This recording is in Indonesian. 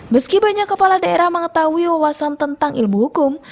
meski banyak kepala daerah mengetahui wawasan tentang ilmu hukum